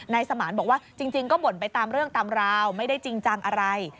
สมานบอกว่าจริงก็บ่นไปตามเรื่องตามราวไม่ได้จริงจังอะไร